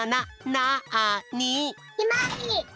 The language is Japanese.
なに？